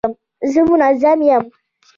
زه منظم یم.